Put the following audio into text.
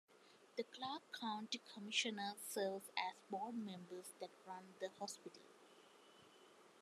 The Clark County Commissioners serves as board members that run the hospital.